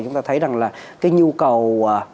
chúng ta thấy rằng là cái nhu cầu